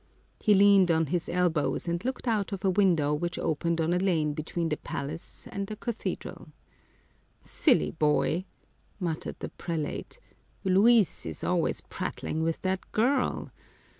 He leaned on his elbows and looked out of a window which opened on a lane between the palace and the cathedral. " Silly boy !" muttered the prelate. " Luis is always prattling with that girl.